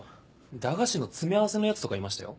駄菓子の詰め合わせのヤツとかいましたよ。